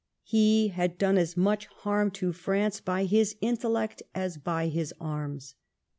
He had done as much harm to France by his intellect as by his arms.